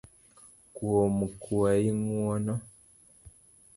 kuom kwayi ng'uono